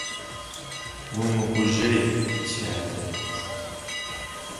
- Умыгужьей, си адэ.